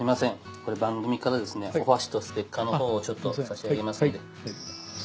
これ番組からですねお箸とステッカーのほうをちょっと差し上げますので。